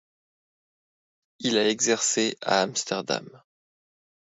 Il a exercé à Amsterdam.